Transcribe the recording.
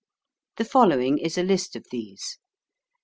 The following is a list of these.